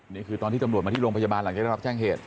นี่คือตอนที่จำนวดมาที่โรงพยาบาลหลังนี้ครับแช่งเหตุ